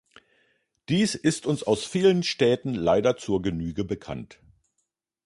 Dies ist uns aus vielen Städten leider zur Genüge bekannt.